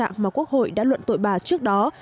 y án tội trạng mà quốc hội đã luận tội bà trước đó